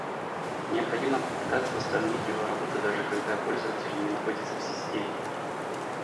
Необходимо попытаться восстановить его работу даже когда пользователь не находится в системе